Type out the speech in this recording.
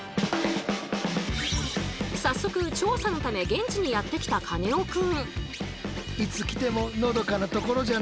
早速調査のため現地にやって来たカネオくん。